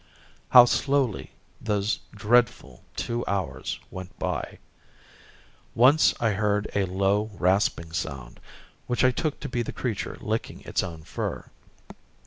How slowly those dreadful two hours went by! Once I heard a low, rasping sound, which I took to be the creature licking its own fur.